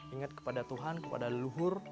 ingat kepada tuhan kepada leluhur